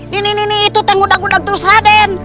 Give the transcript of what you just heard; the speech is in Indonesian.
nih nih nih tuh tengu dangu dang terus raden